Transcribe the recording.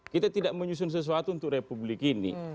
kita tidak menyusun sesuatu untuk republik ini